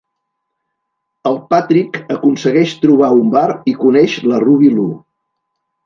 El Patrick aconsegueix trobar un bar i coneix la Ruby Lou.